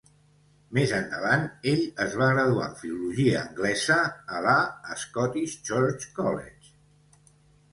Més endavant ell es va graduar en Filologia anglesa a la Scottish Church College.